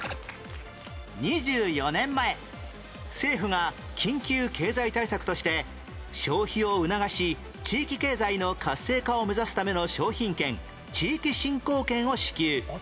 ２４年前政府が緊急経済対策として消費を促し地域経済の活性化を目指すための商品券地域振興券を支給